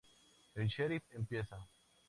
El Sheriff empieza.